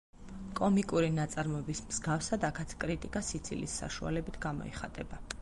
კომიკური ნაწარმოების მსგავსად, აქაც კრიტიკა სიცილის საშუალებით გამოიხატება.